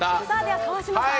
川島さん